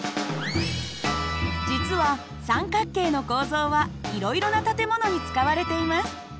実は三角形の構造はいろいろな建物に使われています。